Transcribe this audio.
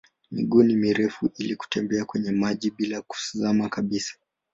Miguu ni mirefu ili kutembea kwenye maji bila kuzama kabisa.